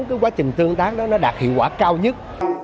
cái quá trình tương tác đó nó đạt hiệu quả cao nhất